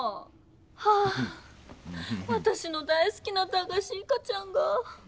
はあわたしの大すきな「駄菓子イカ」ちゃんが。